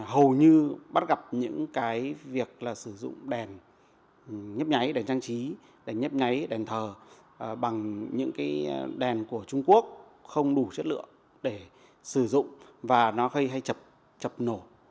hầu như bắt gặp những cái việc là sử dụng đèn nhấp nháy để trang trí để nhấp nháy đèn thờ bằng những cái đèn của trung quốc không đủ chất lượng để sử dụng và nó gây hay chập chập nổ